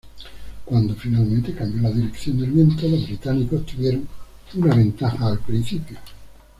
Cuando finalmente cambió la dirección del viento los británicos tuvieron una ventaja al principio.